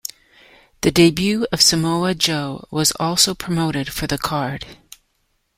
The debut of Samoa Joe was also promoted for the card.